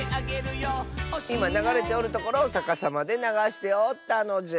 いまながれておるところをさかさまでながしておったのじゃ。